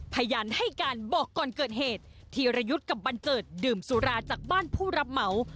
พยานให้การบอกก่อนเกิดเหตุธีรยุทธ์กับบันเจิดดื่มสุราจากบ้านผู้รับเหมา